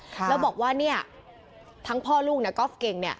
แล้วบอกว่าเนี่ยทั้งพ่อลูกนะกอล์ฟเก่งเนี่ย